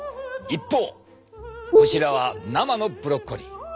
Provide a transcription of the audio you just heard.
一方こちらは生のブロッコリー。